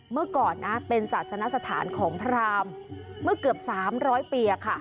เมื่อก่อนนะเป็นศาสนสถานของพรามเมื่อเกือบ๓๐๐ปีค่ะ